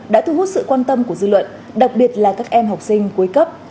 đã thu hút sự quan tâm của dư luận đặc biệt là các em học sinh cuối cấp